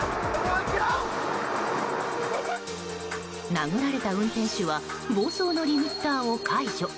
殴られた運転手は暴走のリミッターを解除。